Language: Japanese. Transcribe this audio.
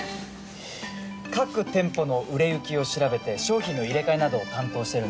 各店舗の売れ行きを調べて商品の入れ替えなどを担当してるんです。